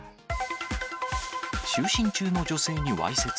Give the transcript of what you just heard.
就寝中の女性にわいせつ。